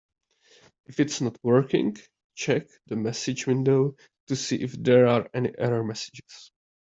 If it's not working, check the messages window to see if there are any error messages.